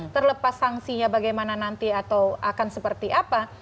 terlepas sanksinya bagaimana nanti atau akan seperti apa